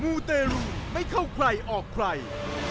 ูเตรุไม่เข้าใครออกใคร